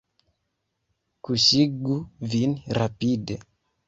Kuŝigu vin, rapide!